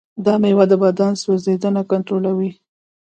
دا مېوه د بدن سوځیدنه کنټرولوي.